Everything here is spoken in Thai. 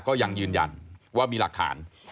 ก็ยังยืนยันว่ามีหลักฐาน